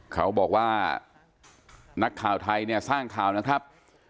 เขาบอกว่านักข่าวไทยเนี่ยสร้างข่าวนะครับ